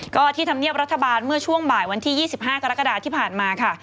ก็ที่ธรรมเนียบรัฐบาลเมื่อช่วงบ่ายวันที่๒๕กรกฎาที่ผ่านมาค่ะ